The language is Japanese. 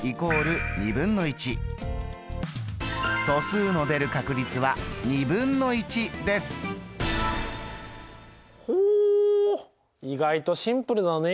素数の出る確率はほ意外とシンプルだね。